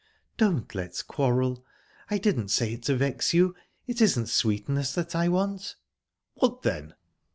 "Don't let's quarrel. I didn't say it to vex you. It isn't sweetness that I want." "What then?"